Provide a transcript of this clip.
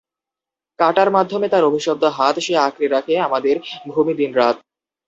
কাটার মাধ্যমে তার অভিশপ্ত হাত সে আঁকড়ে রাখে আমাদের ভূমি দিনরাত।